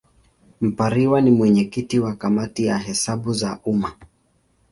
Mpariwa ni mwenyekiti wa Kamati ya Hesabu za Umma.